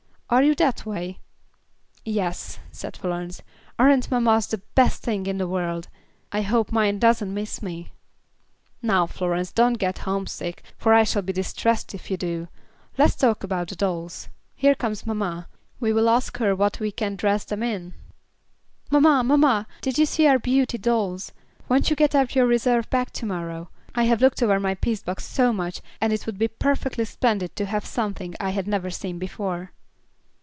Are you that way?" "Yes," said Florence. "Aren't mammas the best thing in the world? I hope mine doesn't miss me." "Now, Florence, don't get homesick, for I shall be distressed if you do. Let's talk about the dolls. Here comes mamma. We will ask her what we can dress them in. "Mamma, mamma, did you see our beauty dolls? Won't you get out your reserve bag to morrow? I have looked over my piece box so much, and it would be perfectly splendid to have something I had never seen before."